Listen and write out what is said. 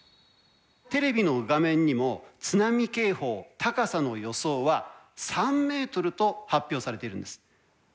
テレビの画面にも津波警報高さの予想は３ｍと発表されているんです。